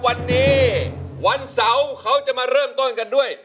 วันนี้วันเสาร์เขาจะมาเริ่มต้นกันด้วย